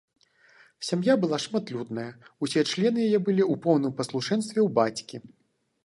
Сям'я была шматлюдная, усе члены яе былі ў поўным паслушэнстве ў бацькі.